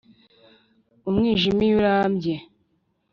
Umwijima iyo urambye